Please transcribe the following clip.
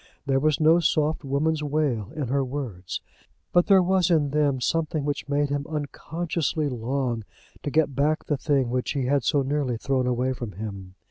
There was no soft woman's wail in her words. But there was in them something which made him unconsciously long to get back the thing which he had so nearly thrown away from him.